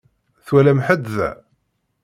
Twalam ḥedd da?